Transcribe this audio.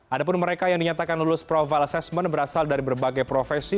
ada pun mereka yang dinyatakan lulus profile assessment berasal dari berbagai profesi